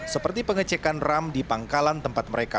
seperti pengecekan ram di pangkalan tempat mereka